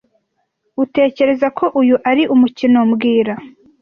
Utekereza ko uyu ari umukino mbwira